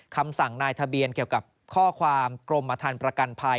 คำสั่งนายทะเบียนเกี่ยวกับข้อความกรมธรรมประกันภัย